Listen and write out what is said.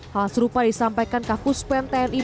hal serupa disampaikan kakus pen tni